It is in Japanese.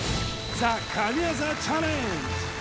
ＴＨＥ神業チャレンジ